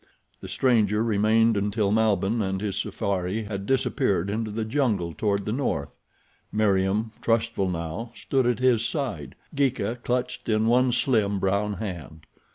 The stranger remained until Malbihn and his safari had disappeared into the jungle toward the north. Meriem, trustful now, stood at his side, Geeka clutched in one slim, brown hand.